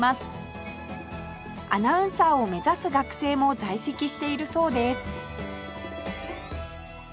アナウンサーを目指す学生も在籍しているそうです